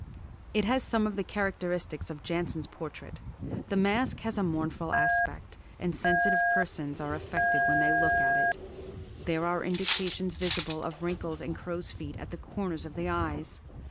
It has some of the characteristics of Jansen's portrait. The mask has a mournful aspect, and sensitive persons are affected when they look at it.... There are indications visible ... of wrinkles and 'crow's feet' at the corners of the eyes.